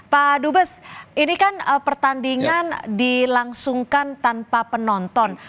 pak dubes ini kan pertandingan dilangsungkan tanpa penonton